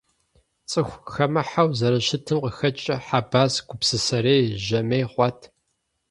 ЦӀыхухэмыхьэу зэрыщытым къыхэкӀкӀэ, Хьэбас гупсысэрей, жьэмей хъуат.